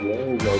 cho tùy thái